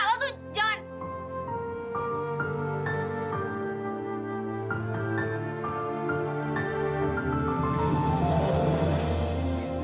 gila lo tuh jangan